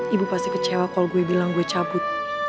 ibu pasti kecewa kalau gue bilang gue cabut